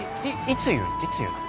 いつ言うの？